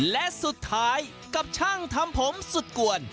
และสุดท้ายกับช่างทำผมสุดกวน